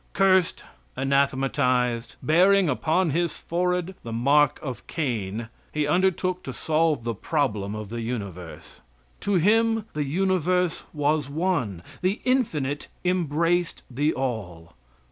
Cursed, anathematized, bearing upon his forehead the mark of Cain, he undertook to solve the problem of the universe. To him the universe was one. The infinite embraced the all.